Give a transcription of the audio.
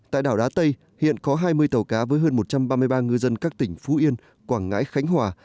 tại đảo đá tây hiện có hai mươi tàu cá với hơn một trăm ba mươi ba ngư dân các tỉnh phú yên quảng ngãi khánh hòa